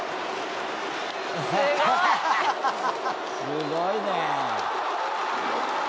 「すごいね！」